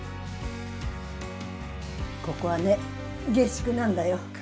ここはね下宿なんだよ。